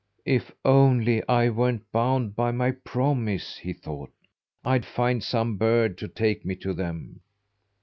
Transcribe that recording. "If only I weren't bound by my promise," he thought, "I'd find some bird to take me to them!"